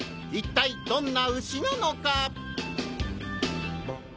一体どんな牛なのか！？